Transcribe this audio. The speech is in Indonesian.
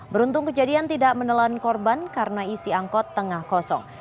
beruntung kejadian tidak menelan korban karena isi angkot tengah kosong